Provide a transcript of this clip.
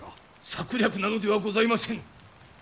策略などではございませぬ！